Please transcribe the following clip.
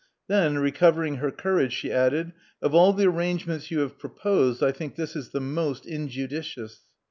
Then, recovering her courage, she added, "Of all the arrangements you have proposed, I think this is the most injudicious.'